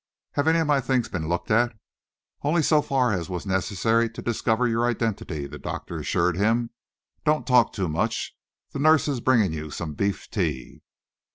"Have any of my things been looked at?" "Only so far as was necessary to discover your identity," the doctor assured him. "Don't talk too much. The nurse is bringing you some beef tea."